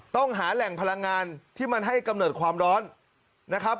ต้องหาแหล่งพลังงานที่มันให้กำเนิดความร้อนนะครับ